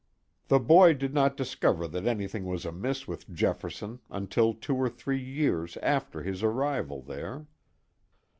The boy did not discover that anything was amiss with Jefferson until two or three years after his arrival there.